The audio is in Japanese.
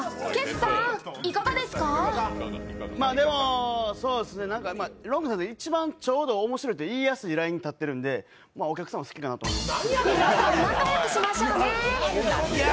でも、そうすっね、ロングさんの一番ちょうど面白いと言いやすいラインに立ってるんでお客さんは好きかなって。